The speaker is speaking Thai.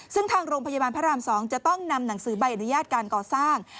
ซึ่งทางโรงพยาบาลพระราม๒จะต้องนำหนังสือใบอนุญาตการก่อสร้าง